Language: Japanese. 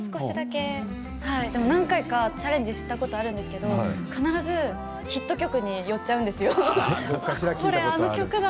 少しだけ何回かチャレンジしたことあるんですけど必ずヒット曲に寄っちゃうんですよ。